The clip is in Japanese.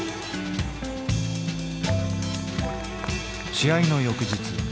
試合の翌日。